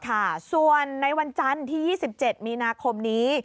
ค่ะส่วนในวันจันทร์ที่๒๗มีนาคมนี้